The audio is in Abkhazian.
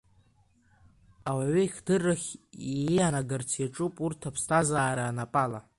Ауаҩы ихдыррахь иианагарц иаҿуп урҭ аԥсҭазаара анапала…